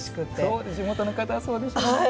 地元の方はそうでしょうね。